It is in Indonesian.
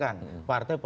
partai penuh berpengaruh